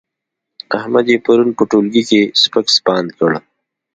احمد يې پرون په ټولګي کې سپک سپاند کړ.